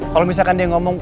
kalau misalkan dia ngomong